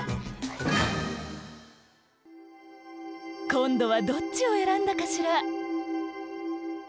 こんどはどっちを選んだかしら？